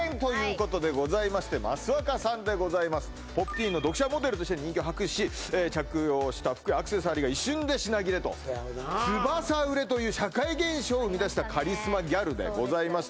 はい「Ｐｏｐｔｅｅｎ」の読者モデルとして人気を博し着用した服やアクセサリーが一瞬で品切れと「つばさ売れ」という社会現象を生み出したカリスマギャルでございました